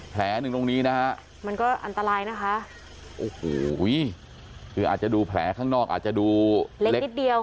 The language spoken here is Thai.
แผลหนึ่งตรงนี้นะฮะมันก็อันตรายนะคะโอ้โหคืออาจจะดูแผลข้างนอกอาจจะดูเล็กนิดเดียว